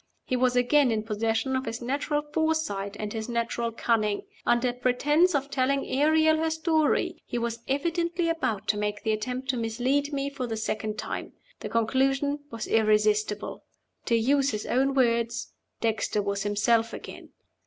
He was again in possession of his natural foresight and his natural cunning. Under pretense of telling Ariel her story, he was evidently about to make the attempt to mislead me for the second time. The conclusion was irresistible. To use his own words Dexter was himself again.